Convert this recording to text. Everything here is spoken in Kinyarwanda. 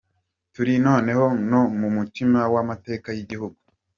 Turi noneho no mu mutima w’amateka y’igihugu.